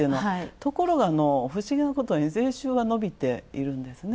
ところが、不思議なことに税収は伸びているんですね。